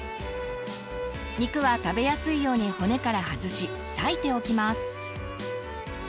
肉は食べやすいように骨から外し裂いておきます。